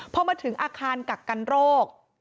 พอมาถึงอาคารกักกันโรค